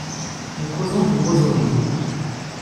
Nous causons du mausolée…